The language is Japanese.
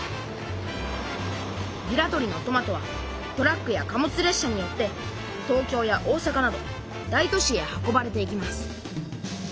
平取のトマトはトラックや貨物列車によって東京や大阪など大都市へ運ばれていきます